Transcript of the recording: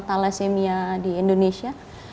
thalassemia di indonesia